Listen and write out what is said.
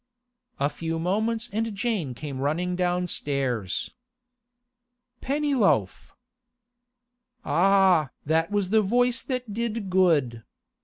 A few moments and Jane came running downstairs. 'Pennyloaf!' Ah! that was the voice that did good.